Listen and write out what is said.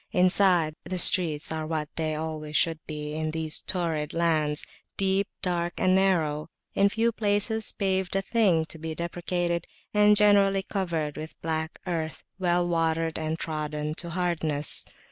Inside, the streets are what they always should be in these torrid lands, deep, dark, and narrow, in few places paved a thing to be deprecated and generally covered with black earth well watered and trodden to hardness.